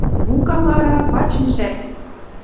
Ну-ка, Мары, пач мешакӹм!